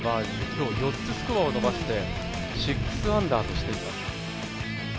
今日４つスコアを伸ばして、６アンダーとしています。